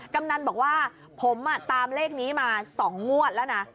กำนันบอกว่าผมตามเลขนี้มา๒งวดแล้วนะ